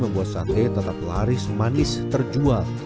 membuat sate tetap laris manis terjual